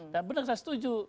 dan benar saya setuju